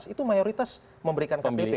itu mayoritas memberikan kpp